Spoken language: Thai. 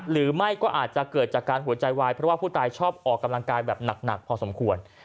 หรือไม่ก็อาจจะเกิดจากการหัวใจวายเพราะว่าผู้ตายชอบออกกำลังกายแบบหนักพอสมควร